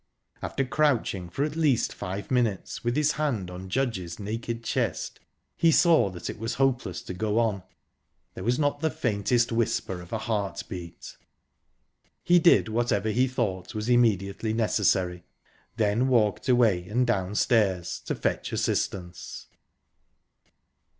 After crouching for at least five minutes, with his hand on Judge's naked chest, he saw that it was hopeless to go on there was not the faintest whisper of a heartbeat. He did whatever he thought was immediately necessary, then walked away and downstairs, to fetch assistance.